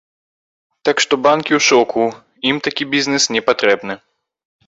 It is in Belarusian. Так што банкі ў шоку, ім такі бізнэс не патрэбны.